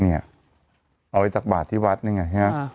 เนี่ยเอาไปตักบาดที่วัดเนี่ยไง